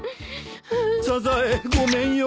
サザエごめんよ！